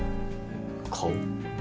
顔？